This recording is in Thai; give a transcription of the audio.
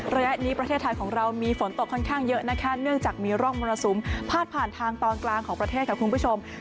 ระยะนี้ประเทศไทยของเรามีฝนตกค่อนข้างเยอะนะคะเนื่องจากมีร่องมรสุมพาดผ่านทางตอนกลางของประเทศค่ะคุณผู้ชม